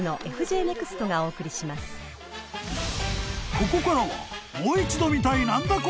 ［ここからは］